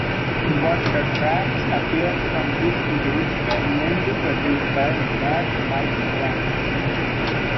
But the tracks appeared on this release were mainly produced by "Mad" Mike Banks.